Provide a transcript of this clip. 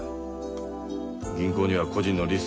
銀行には個人のリストがある。